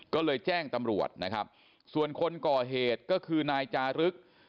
ก็เลยแจ้งตำรวจนะครับส่วนคนก่อเหตุก็คือนายจารึก